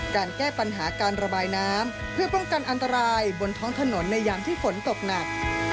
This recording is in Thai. การแก้ปัญหาการระบายน้ำเพื่อป้องกันอันตรายบนท้องถนนในยามที่ฝนตกหนัก